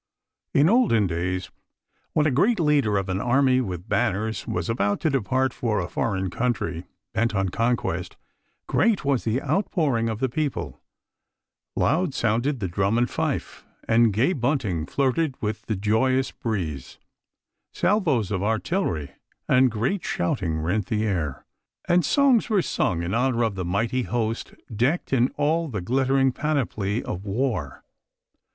In olden times, when a great leader of an "army with banners" was about to depart for a foreign country, bent on conquest, great was the outpouring of the people; loud sounded the drum and fife, and gay bunting flirted with the joyous breeze; salvos of artillery and great shouting rent the air, and songs were sung in honor of the mighty host decked in all the glittering panoply of war.